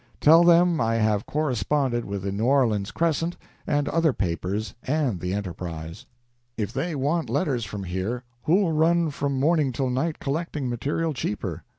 "Tell them I have corresponded with the "New Orleans Crescent" and other papers and the "Enterprise." "If they want letters from here who'll run from morning till night collecting material cheaper?